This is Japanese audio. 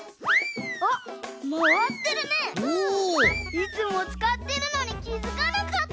いつもつかってるのにきづかなかった。